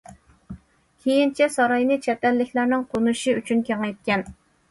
كېيىنچە ساراينى چەت ئەللىكلەرنىڭ قونۇشى ئۈچۈن كېڭەيتكەن.